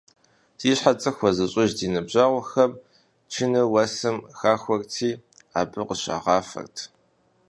Зи щхьэ дзыхь хуэзыщӏыж ди ныбжьэгъухэм чыныр уэсым хахуэрти, абы къыщагъафэрт.